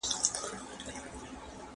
¬ د لاس په پنځو گوتو کي لا فرق سته.